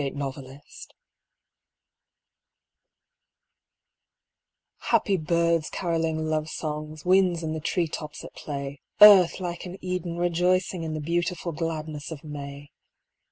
BAPTISM OF FIRE Happy birds caroling love songs, winds in the tree tops at play, Earth, like an Eden, rejoicing in the beautiful gladness of May